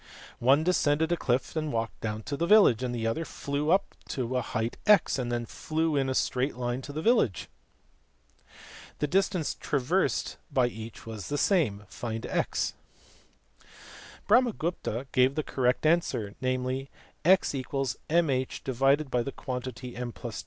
One descended the cliff and walked to the village, the other flew up a height x and then flew in a straight line to the village. The distance traversed by each was the same. Find x." Brahmagupta gave the correct answer, namely x = mh/(m + 2).